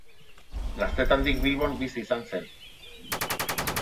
Gaztetandik Bilbon bizi izan zen.